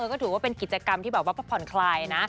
ก็ถือว่าเป็นกิจกรรมที่แบบว่าผ่อนคลายนะ